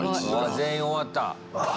全員、終わった！